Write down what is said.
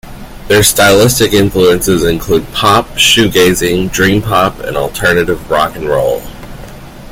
Their stylistic influences include pop, shoegazing, Dream pop and alternative rock and roll.